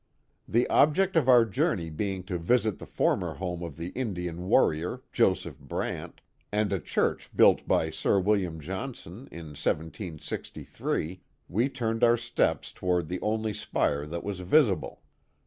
The object of our journey being to vi ^it the former home of the Indian warrior, Joseph Brant, and a church built by Sir Wil liam Johnson in 1763, we turned our steps toward the only spire that was visible.